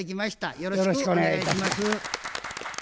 よろしくお願いします。